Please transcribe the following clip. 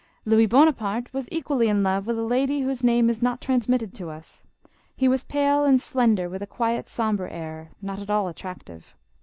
Louis Bonaparte was equally in love with a lady whose name is not transmitted to us. He was pale and slender, with a quiet, sombre air, not at all attractive.